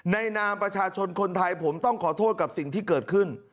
นามประชาชนคนไทยผมต้องขอโทษกับสิ่งที่เกิดขึ้น